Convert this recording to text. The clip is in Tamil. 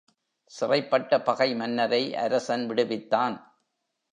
சிறைப்பட்ட பகை மன்னரை அரசன் விடுவித்தான்.